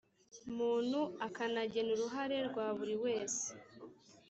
muntu akanagena uruhare rwa buri wese